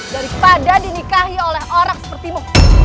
daripada dinikahi oleh orang sepertimu